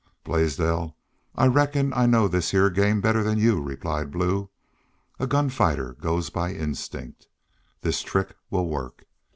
"Blaisdell, I reckon I know this heah game better than y'u," replied Blue. "A gun fighter goes by instinct. This trick will work."